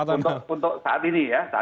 untuk saat ini ya